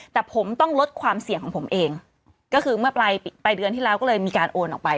แต่ผมต้องลดความเสี่ยงของผมเองก็คือเมื่อปลายเดือนที่แล้วก็เลยมีการโอนออกไป